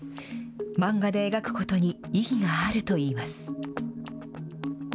漫画で描くことに意義があるといいます。